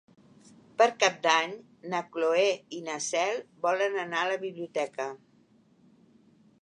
Per Cap d'Any na Cloè i na Cel volen anar a la biblioteca.